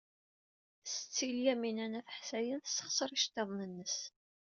Setti Lyamina n At Ḥsayen tessexṣer iceḍḍiḍen-nnes.